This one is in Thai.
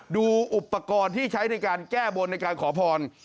ดูอุปกรณ์ที่ใช้ในการแก้บนในการขอพร